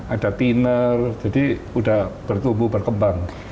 ada thinner jadi sudah bertumbuh berkembang